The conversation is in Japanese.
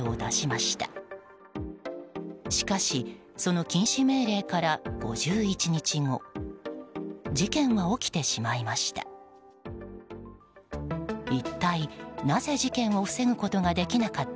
しかしその禁止命令から５１日後事件は起きてしまいました。